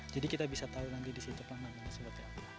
jadi kita bisa tahu nanti di situ pelang namanya seperti apa